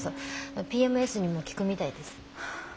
ＰＭＳにも効くみたいです。